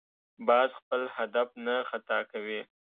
باز خپل هدف نه خطا کوي